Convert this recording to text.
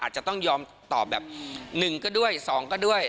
อาจจะต้องยอมตอบแบบหนึ่งก็ด้วยสองก็ด้วย